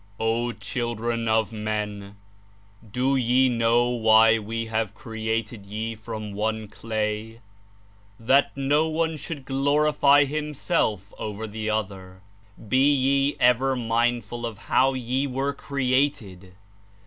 *^0 Children of Men! De ye know why We have created ye from one clay? That no one should glorify himself over the other? Be ye ever mindful of how ye were created.